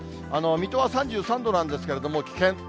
水戸は３３度なんですけれども危険。